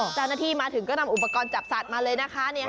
เจ้าหน้าที่มาถึงก็นำอุปกรณ์จับสัตว์มาเลยนะคะ